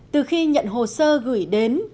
từ khi nhận hồ sơ gửi đến